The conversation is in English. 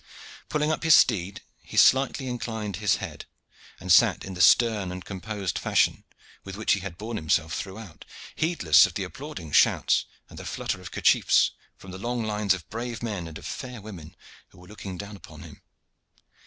Pulling up his steed, he slightly inclined his head, and sat in the stern and composed fashion with which he had borne himself throughout, heedless of the applauding shouts and the flutter of kerchiefs from the long lines of brave men and of fair women who were looking down upon him.